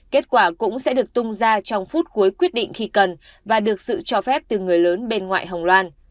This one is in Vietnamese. kết quả cũng sẽ được tung ra trong phút cuối quyết định khi cần và được sự cho phép từ người lớn bên ngoại hồng loan